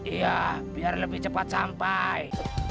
iya biar lebih cepat sampai